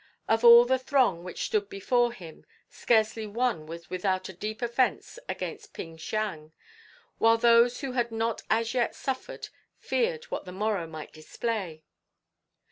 Of all the throng which stood before him scarcely one was without a deep offence against Ping Siang, while those who had not as yet suffered feared what the morrow might display.